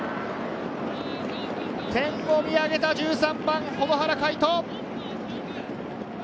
天を見上げた１３番・保土原海翔。